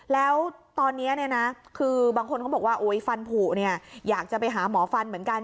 แล้วตอนนี้คือบางคนบอกว่าฟันผูกอยากจะไปหาหมอฟันเหมือนกัน